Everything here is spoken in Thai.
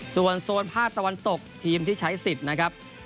ส่วนโซนภาคตะวันตกทีมที่ใช้สิทธิ์นะครับ